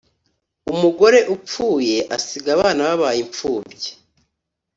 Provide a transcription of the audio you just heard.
umugore upfuye asiga abana babaye ipfubyi.